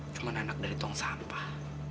cuma anak dari tong sampah